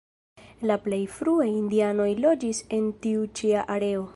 La plej frue indianoj loĝis en tiu ĉi areo.